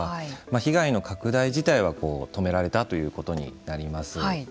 被害の拡大自体は止められたということになります。